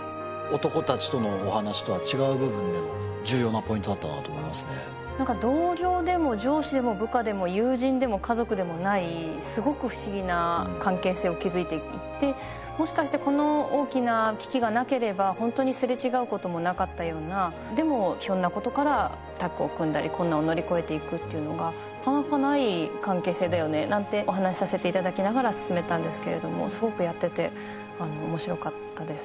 男たちとのお話とは違う部分での重要なポイントだったなと思いますねなんか同僚でも上司でも部下でも友人でも家族でもないすごく不思議な関係性を築いていってもしかしてこの大きな危機がなければホントにすれ違うこともなかったようなでもひょんなことからタッグを組んだり困難を乗り越えていくっていうのがなかなかない関係性だよねなんてお話しさせていただきながら進めたんですけれどもすごくやっててあの面白かったです